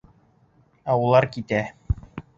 Ә улар китә.